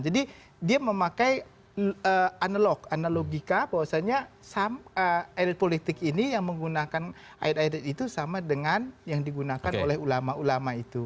jadi dia memakai analogica bahwasanya elit politik ini yang menggunakan ayat ayat itu sama dengan yang digunakan oleh ulama ulama itu